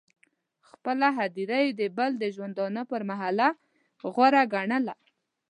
خپله هدیره یې د بل د ژوندانه پر محله غوره ګڼله.